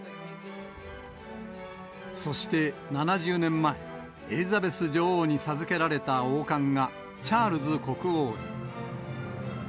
そして、７０年前、エリザベス女王に授けられた王冠が、チャールズ国王へ。